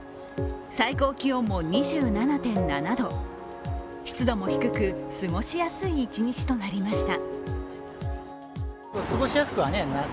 最高気温も２７．７度、湿度も低く過ごしやすい一日となりました。